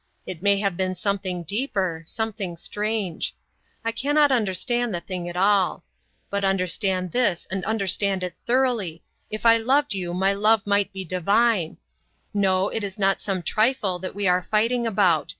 It may have been something deeper...something strange. I cannot understand the thing at all. But understand this and understand it thoroughly, if I loved you my love might be divine. No, it is not some trifle that we are fighting about.